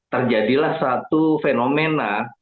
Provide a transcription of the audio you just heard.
terjadilah suatu fenomena